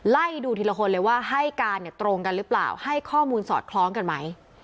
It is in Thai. ไล่ดูทีละคนเลยว่าให้การตรงกันหรือเปล่าให้ข้อมูลสอดคล้องกันไหม